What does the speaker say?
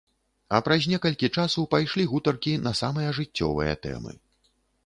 А праз некалькі часу пайшлі гутаркі на самыя жыццёвыя тэмы.